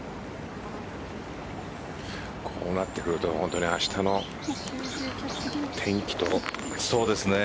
こうなってくると明日の天気と。